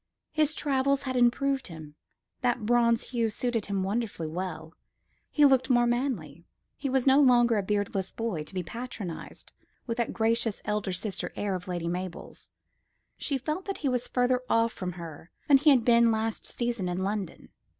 His travels had improved him. That bronze hue suited him wonderfully well. He looked more manly. He was no longer a beardless boy, to be patronised with that gracious elder sister air of Lady Mabel's. She felt that he was further off from her than he had been last season in London.